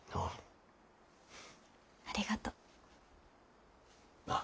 ありがとう。ああ。